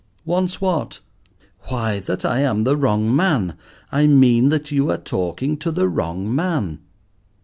"Once what?" "Why, that I am the wrong man—I mean that you are talking to the wrong man."